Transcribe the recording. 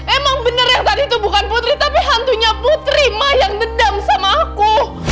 emang bener yang tadi itu bukan putri tapi hantunya putri mah yang dendam sama aku